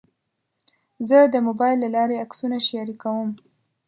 زه د موبایل له لارې عکسونه شریکوم.